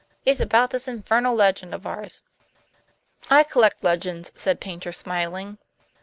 "It's about this infernal legend of ours." "I collect legends," said Paynter, smiling.